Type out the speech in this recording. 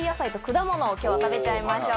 今日は食べちゃいましょう。